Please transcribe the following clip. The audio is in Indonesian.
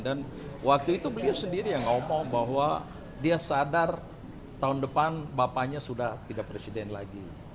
dan waktu itu beliau sendiri yang ngomong bahwa dia sadar tahun depan bapaknya sudah tidak presiden lagi